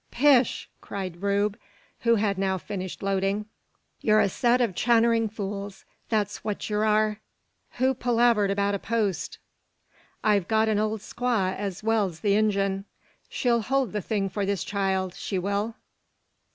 "Pish!" cried Rube, who had now finished loading, "yur a set o' channering fools; that's what 'ee ur. Who palavered about a post? I've got an ole squaw as well's the Injun. She'll hold the thing for this child she will."